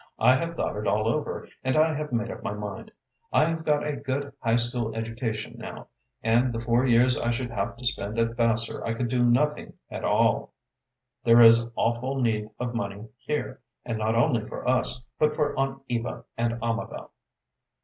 I have thought it all over, and I have made up my mind. I have got a good high school education now, and the four years I should have to spend at Vassar I could do nothing at all. There is awful need of money here, and not only for us, but for Aunt Eva and Amabel."